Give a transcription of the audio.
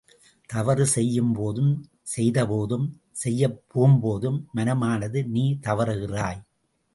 தவறு செய்யும்போதும் செய்த போதும் செய்யப் புகும் போதும் மனமானது நீ தவறுகிறாய்!